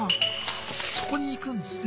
そこに行くんですね。